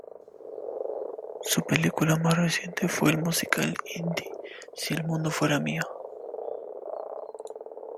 Su película más reciente fue el musical indie "Si el mundo fuera mío".